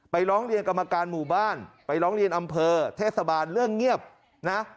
ร้องเรียนกรรมการหมู่บ้านไปร้องเรียนอำเภอเทศบาลเรื่องเงียบนะ